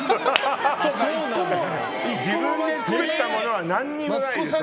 １個も自分で作ったものは何もないです。